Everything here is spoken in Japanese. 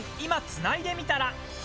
つないでみたら」